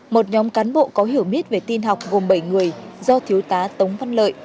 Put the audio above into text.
một nhóm cán bộ có hiểu biết về tin học gồm bảy người do thiếu tá tống văn lợi